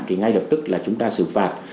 thì ngay lập tức là chúng ta xử phạt